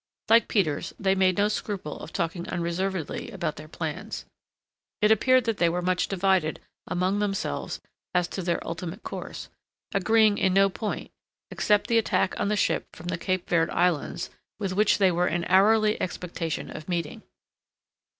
Like Peters, they made no scruple of talking unreservedly about their plans. It appeared that they were much divided among themselves as to their ultimate course, agreeing in no point, except the attack on the ship from the Cape Verd Islands, with which they were in hourly expectation of meeting.